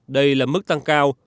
đây là mức tăng cao